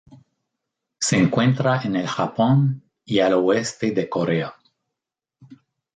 Se encuentra en el Japón y al oeste de Corea.